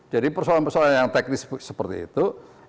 jadi persoalan persoalan yang teknis seperti itu